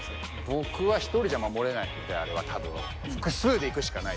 僕は１人じゃ守れないのであれは多分。